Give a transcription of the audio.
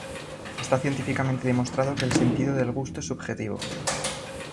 Está científicamente demostrado que el sentido del gusto es subjetivo.